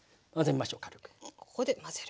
ここで混ぜる。